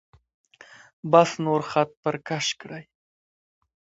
بس نور خط پر کش کړئ.